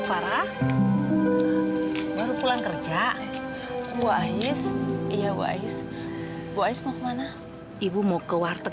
hai farah baru pulang kerja wah is iya waiz waiz mau kemana ibu mau ke warteg